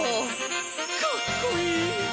かっこいい。